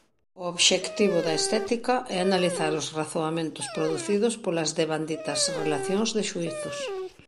O obxectivo da estética é analizar os razoamentos producidos polas devanditas relacións de xuízos.